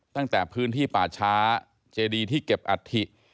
ตั้งแต่พื้นที่ป่าช้าเจดีที่เก็บอัฐิ